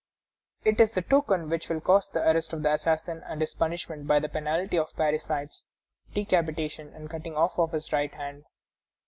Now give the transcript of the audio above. It is the token which will cause the arrest of the assassin, and his punishment by the penalty of parricides, decapitation and the cutting off of his right hand.